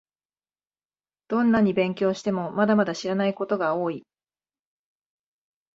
どんなに勉強しても、まだまだ知らないことが多い